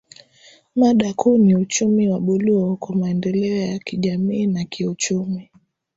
Mada kuu ni Uchumi wa Buluu kwa Maendeleo ya Kijamii na Kiuchumi